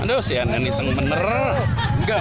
aduh si anies menerah